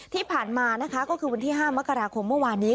ที่ผ่านมานะคะก็คือวันที่๕มกราคมเมื่อวานนี้